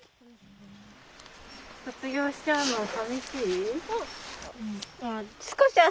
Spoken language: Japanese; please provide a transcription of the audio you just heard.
卒業しちゃうの寂しい？